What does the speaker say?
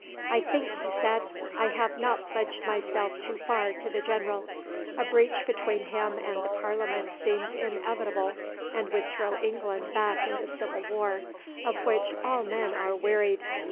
—"I think," he said, "I have not pledged myself too far to the General. A breach between him and the Parliament seems inevitable, and would throw England back into civil war, of which all men are wearied.